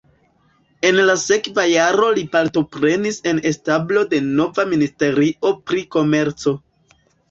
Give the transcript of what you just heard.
En la sekva jaro li partoprenis en establo de nova ministerio pri komerco.